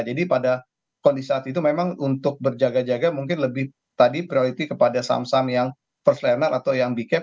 jadi pada kondisi saat itu memang untuk berjaga jaga mungkin lebih tadi prioriti kepada saham saham yang first liner atau yang b cap